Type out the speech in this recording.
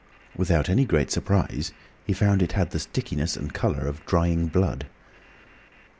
Without any great surprise he found it had the stickiness and colour of drying blood.